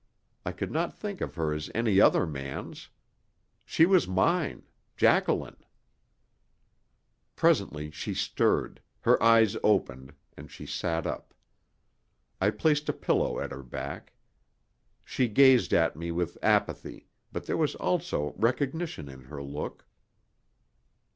I could not think of her as any other man's. She was mine Jacqueline. Presently she stirred, her eyes opened, and she sat up. I placed a pillow at her back. She gazed at me with apathy, but there was also recognition in her look.